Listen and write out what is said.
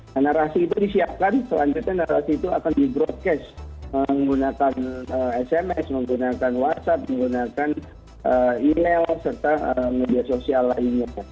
nah narasi itu disiapkan selanjutnya narasi itu akan di broadcast menggunakan sms menggunakan whatsapp menggunakan email serta media sosial lainnya